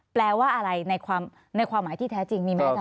แปลว่าอะไรในความหมายที่แท้จริงมีไหมอาจาร